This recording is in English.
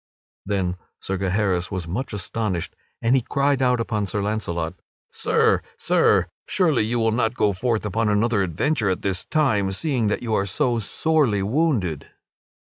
Then Sir Gaheris was very much astonished, and he cried out upon Sir Launcelot: "Sir! Sir! Surely you will not go forth upon another adventure at this time, seeing that you are so sorely wounded."